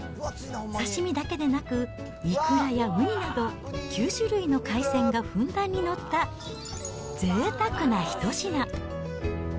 刺身だけでなく、イクラやウニなど、９種類の海鮮がふんだんに載ったぜいたくな一品。